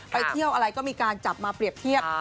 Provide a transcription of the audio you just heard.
ไปเที่ยวอะไรก็มีการจับมาเปรียบเทียบ